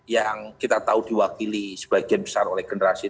yang kita tahu diwakili sebagian besar oleh generasi muda